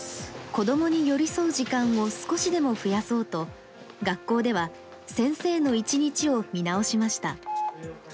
子どもに寄り添う時間を少しでも増やそうと、学校では先生の一日を見直しました。